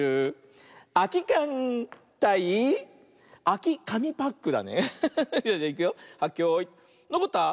あきかみパック。